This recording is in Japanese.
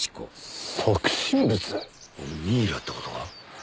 ミイラって事か？